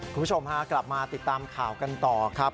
คุณผู้ชมฮะกลับมาติดตามข่าวกันต่อครับ